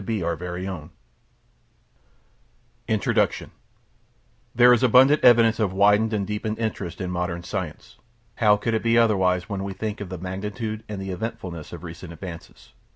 The Outline of Science INTRODUCTION There is abundant evidence of a widened and deepened interest in modern science. How could it be otherwise when we think of the magnitude and the eventfulness of recent advances?